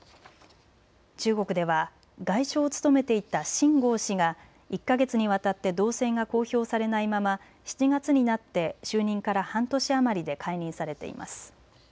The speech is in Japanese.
中国では外相を務めていた秦剛氏が１か月にわたって動静が公表されないまま７月になって就任から半年余りで解任されています。